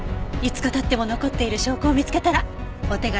５日経っても残っている証拠を見つけたらお手柄よ。